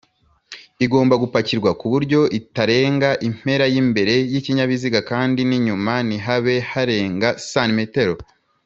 igomba gupakirwa kuburyo itarenga impera y’imbere y’ikinyabiziga kandi n’inyuma ntihabe harenga cm